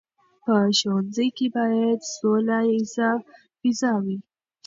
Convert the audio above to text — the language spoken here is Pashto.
په ښوونځي کې باید سوله ییزه فضا وي.